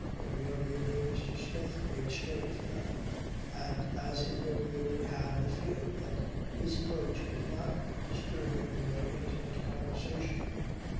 Invariably Mr. Smith made straight for them and as invariably had the feeling that his approach was not disturbing a very intimate conversation.